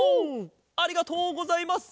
ありがとうございます！